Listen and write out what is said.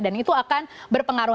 dan itu akan berpengaruh